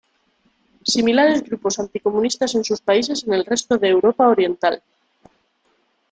Similares grupos anticomunistas en sus países en el resto de Europa oriental.